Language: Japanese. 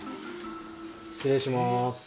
失礼します。